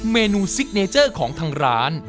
เมนูซิกเนเจอร์ของทางร้าน